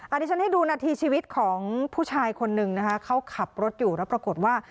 อันนี้ฉันให้ดูนาทีชีวิตของผู้ชายคนนึงนะคะเขาขับรถอยู่แล้วปรากฏว่า